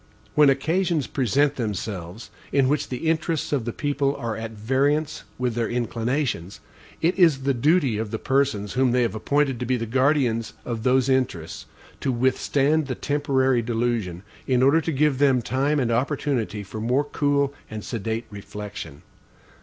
When occasions present themselves, in which the interests of the people are at variance with their inclinations, it is the duty of the persons whom they have appointed to be the guardians of those interests, to withstand the temporary delusion, in order to give them time and opportunity for more cool and sedate reflection.